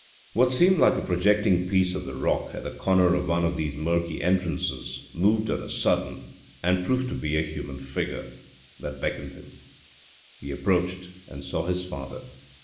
What seemed like a projecting piece of the rock, at the corner of one of these murky entrances, moved on a sudden, and proved to be a human figure, that beckoned to him. He approached, and saw his father.